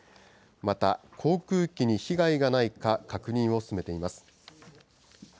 また航空機に被害がないか、確認を進めています。